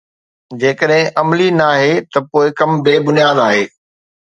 جيڪڏهن عملي ناهي ته پوءِ ڪم بي بنياد آهي